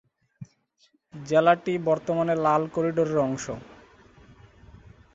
জেলাটি বর্তমানে লাল করিডোরের অংংশ।